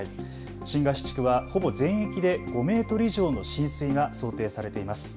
新河岸地区はほぼ全域で５メートル以上の浸水が想定されています。